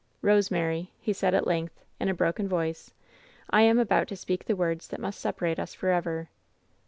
"Rosemary !" he said, at length, in a broken voice, "I am about to speak the words that must separate us for ever."